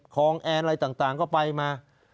คลองแอนอะไรต่างก็ไปมา